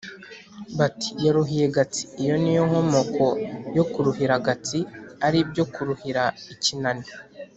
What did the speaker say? bati: "Yaruhiye Gatsi!" Iyo ni yo nkomoko yo kuruhira gatsi ari byo kuruhira ikinani.